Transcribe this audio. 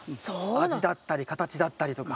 味だったり形だったりとか。